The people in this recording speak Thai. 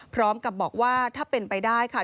พร้อมกับบอกว่าถ้าเป็นไปได้ค่ะ